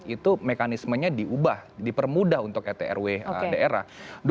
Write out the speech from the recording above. itu mekanismenya diubah dipermudah untuk rt rw daerah